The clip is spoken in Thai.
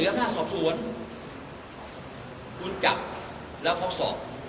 คุณกลับแล้วพอสอบ